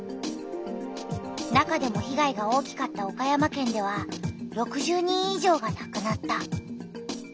中でも被害が大きかった岡山県では６０人い上がなくなった。